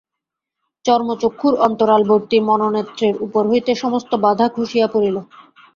চর্মচক্ষুর অন্তরালবর্তী মনোনেত্রের উপর হইতে সমস্ত বাধা খসিয়া পড়িল।